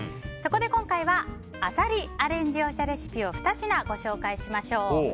そこで今回はアサリアレンジおしゃレシピをふた品ご紹介しましょう。